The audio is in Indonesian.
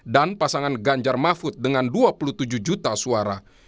dan pasangan ganjar mahfud dengan dua puluh tujuh juta suara